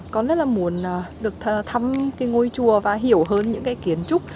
con rất là muốn được thăm ngôi chùa và hiểu hơn những kiến trúc